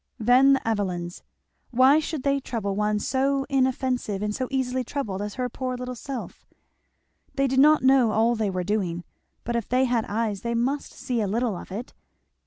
Then the Evelyns why should they trouble one so inoffensive and so easily troubled as her poor little self? They did not know all they were doing, but if they had eyes they must see a little of it.